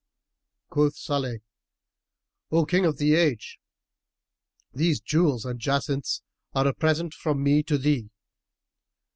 Quoth Salih, "O King of the Age, these jewels and jacinths are a present from me to thee.